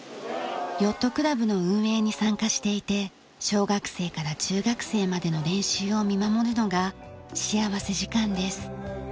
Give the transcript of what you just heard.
ヨットクラブの運営に参加していて小学生から中学生までの練習を見守るのが幸福時間です。